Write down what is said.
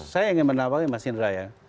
saya ingin menawaki mas indra ya